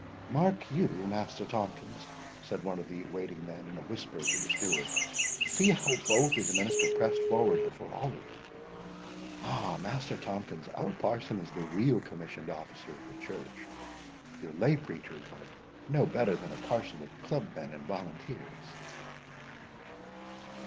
"Mark you, Master Tomkins," said one of the waiting men in a whisper to the steward,—"See how boldly the minister pressed forward before all of them. Ah! Master Tomkins, our parson is the real commissioned officer of the church—your lay preachers are no better than a parcel of club men and volunteers."